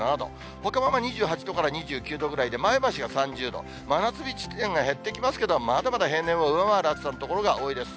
ほかは２８度から２９度ぐらいで、前橋が３０度、真夏日地点が減ってきますけど、まだまだ平年を上回る暑さの所が多いです。